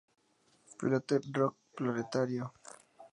Piolet Rock Proletario.